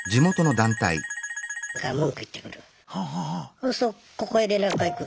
そうするとここへ連絡がいく。